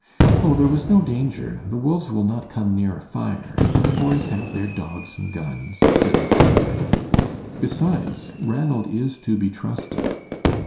"Oh, there was no danger. The wolves will not come near a fire, and the boys have their dogs and guns," said Mrs. Murray; "besides, Ranald is to be trusted."